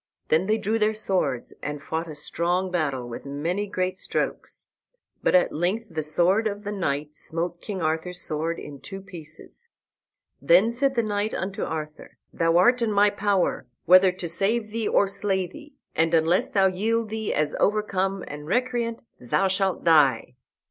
Then they drew their swords and fought a strong battle, with many great strokes. But at length the sword of the knight smote King Arthur's sword in two pieces. Then said the knight unto Arthur, "Thou art in my power, whether to save thee or slay thee, and unless thou yield thee as overcome and recreant, thou shalt die."